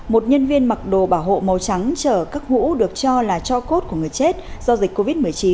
một nhân viên mặc đồ bảo hộ màu trắng chở các hũ được cho là cho cốt của người chết do dịch covid một mươi chín